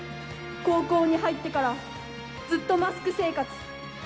高校に入ってから、ずっとマスク生活。